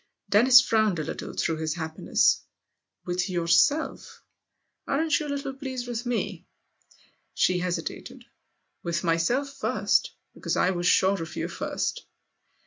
Dennis frowned a little through his happiness. "With * yourself? Aren't you a little pleased with me ?" She hesitated. "With myself first, because I was sure of you first."